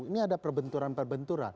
ini ada perbenturan perbenturan